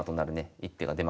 一手が出ます。